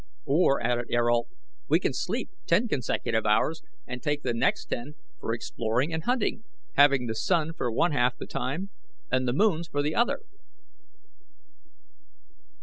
"Or," added Ayrault, "we can sleep ten consecutive hours and take the next ten for exploring and hunting, having the sun for one half the time and the moons for the other."